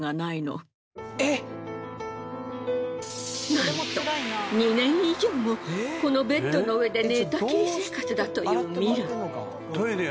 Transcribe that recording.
なんと２年以上もこのベッドの上で寝たきり生活だというミラ。